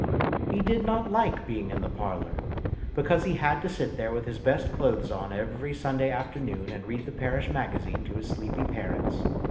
He did not like being in the parlour, because he had to sit there with his best clothes on every Sunday afternoon and read the parish magazine to his sleepy parents.